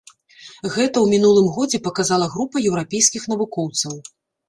Гэта ў мінулым годзе паказала група еўрапейскіх навукоўцаў.